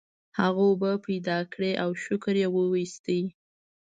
هغه اوبه پیدا کړې او شکر یې وویست.